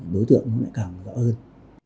đối tượng nó lại càng rõ hơn